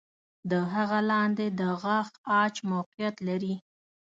د هغه لاندې د غاښ عاج موقعیت لري.